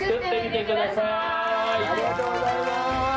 ありがとうございます！